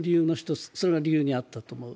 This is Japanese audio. それが理由にあったという。